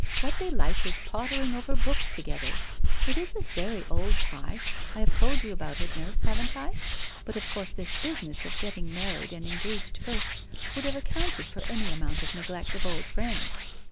What they like is pottering over books to gether. It is a very old tie. I have told you about it, nurse, haven't I? But of course this business of getting married and engaged first, would have accounted for any amount of neglect of old friends.